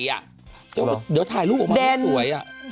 แต่ว่าเดี๋ยวถ่ายรูปว่างไปสวย